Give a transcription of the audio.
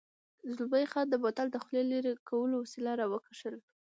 زلمی خان د بوتل د خولې لرې کولو وسیله را وکاږل.